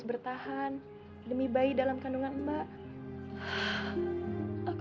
begini lho mbak